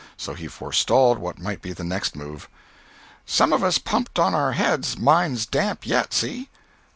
So he forestalled what might be the next move: "Some of us pumped on our heads—mine's damp yet. See?"